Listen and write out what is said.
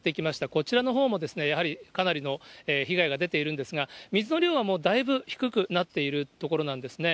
こちらのほうも、やはりかなりの被害が出ているんですが、水の量はもうだいぶ低くなっている所なんですね。